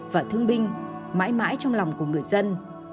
và thương binh mãi mãi trong lòng của người dân